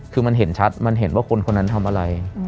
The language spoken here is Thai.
คือมันเห็นชัดมันเห็นว่าคนคนนั้นทำอะไร